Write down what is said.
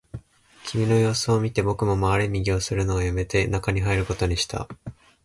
君の様子を見て、僕も回れ右をするのをやめて、中に入ることにした